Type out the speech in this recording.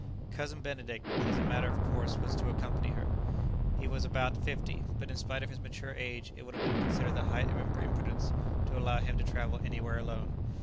Cousin Benedict, as a matter of course, was to accompany her. He was about fifty; but in spite of his mature age it would have been considered the height of imprudence to allow him to travel anywhere alone.